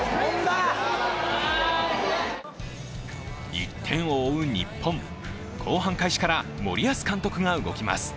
１点を追う日本、後半開始から森保監督が動きます。